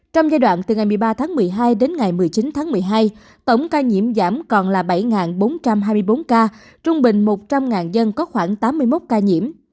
trong giai đoạn từ ngày một mươi ba tháng một mươi hai đến ngày một mươi chín tháng một mươi hai tổng ca nhiễm giảm còn là bảy bốn trăm hai mươi bốn ca trung bình một trăm linh dân có khoảng tám mươi một ca nhiễm